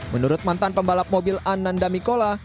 menurut mantan pembalap mobil ananda mikola